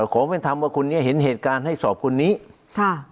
ขอเป็นธรรมว่าคนนี้เห็นเหตุการณ์ให้สอบคนนี้ค่ะ